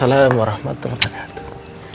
waalaikum warahmatullahi wabarakatuh